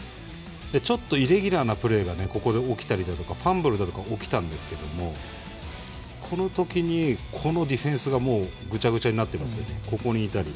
ちょっとイレギュラーなプレーがここで起きたりだとかファンブルだとか起きたんですけどこの時に、このディフェンスがぐちゃぐちゃになってますよね。